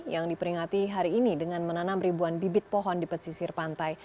yang diperingati hari ini dengan menanam ribuan bibit pohon di pesisir pantai